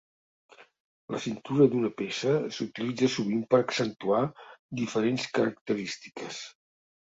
La cintura d'una peça s'utilitza sovint per accentuar diferents característiques.